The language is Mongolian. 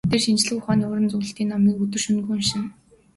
Тэр шинжлэх ухааны уран зөгнөлт номыг өдөр шөнөгүй уншина.